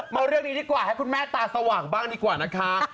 มาเรื่องนี้ดีกว่าให้คุณแม่ตาสว่างบ้างดีกว่านะคะ